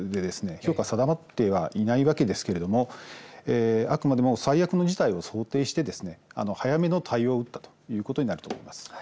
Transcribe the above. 評価が定まってはいないわけですけれどもあくまでも最悪の事態を想定してですね早めの対応をうったということになると思います。